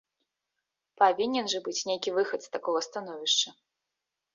Павінен жа быць нейкі выхад з такога становішча.